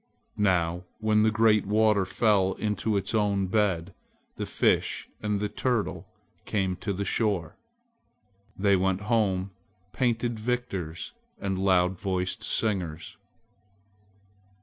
Now when the great water fell into its own bed, the Fish and the Turtle came to the shore. They went home painted victors and loud voiced singers.